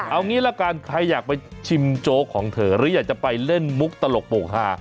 เอางี้ละกันใครอยากไปชิมโจ๊กของเธอหรืออยากจะไปเล่นมุกตลกโปรกฮา